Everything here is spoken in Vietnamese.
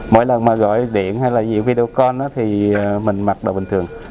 mỗi lần mà gọi điện hay là nhiều video con thì mình mặc đồ bình thường